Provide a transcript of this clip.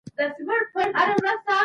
ولسمشر بهرنی استازی نه ګواښي.